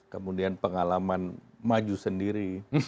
kemudian pengalaman maju sendiri